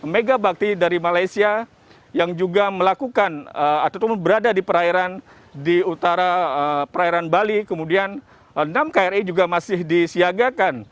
megabakti dari malaysia yang juga melakukan atau berada di perairan di utara perairan bali kemudian enam kri juga masih disiagakan